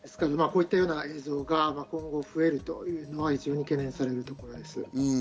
こういったような映像が今後、増えるというのは一部懸念されるところです。